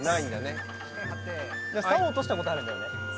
サオを落としたことはあるんだよね？